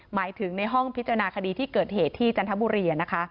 หมายถึงในห้องพิจารณาคดีที่เกิดเหตุที่จันทบุรี